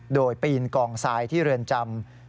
โดยปีนกองทรายที่เรือนจำ